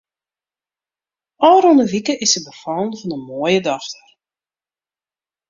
Ofrûne wike is se befallen fan in moaie dochter.